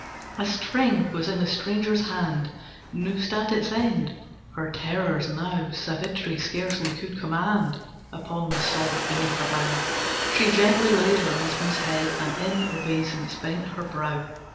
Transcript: A string was in the stranger's hand Noosed at its end. Her terrors now Savitri scarcely could command. Upon the sod beneath a bough, She gently laid her husband's head, And in obeisance bent her brow.